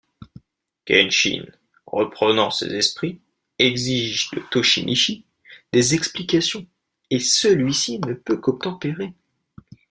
Kenshin, reprenant ses esprits, exige de Toshimichi des explications, et celui-ci ne peut qu'obtempérer.